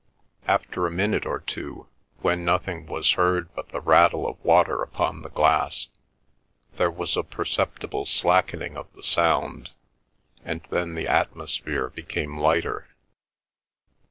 After a minute or two, when nothing was heard but the rattle of water upon the glass, there was a perceptible slackening of the sound, and then the atmosphere became lighter.